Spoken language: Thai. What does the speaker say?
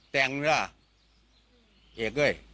แต่งละเอกเลย